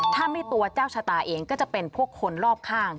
ถ้าไม่ตัวเจ้าชะตาเองก็จะเป็นพวกคนรอบข้าง